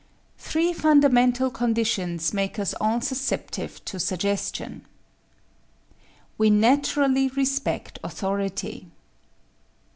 Three fundamental conditions make us all susceptive to suggestion: _We naturally respect authority.